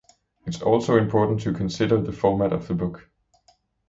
It is also important to consider the format of the book.